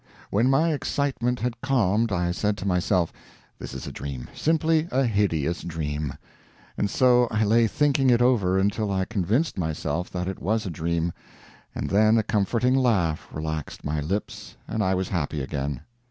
When my excitement had calmed, I said to myself, "This is a dream simply a hideous dream." And so I lay thinking it over until I convinced myself that it was a dream, and then a comforting laugh relaxed my lips and I was happy again.